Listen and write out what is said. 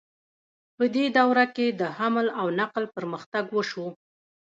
په دې دوره کې د حمل او نقل پرمختګ وشو.